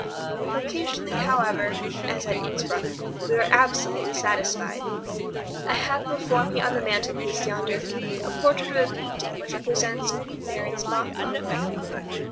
Occasionally, however, as at Innsbruck, we are absolutely satisfied. I have before me on the mantelpiece yonder a portrait of a painting which represents Queen Mary's Bothwell.